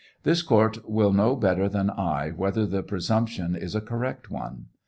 This court will know better than I whether the presumption is a correct one.